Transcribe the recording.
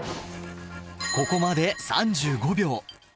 ここまで３５秒。